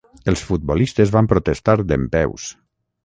Els futbolistes van protestar dempeus